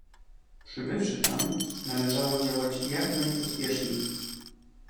"Przybywszy tam, należało działać jak najpospieszniej."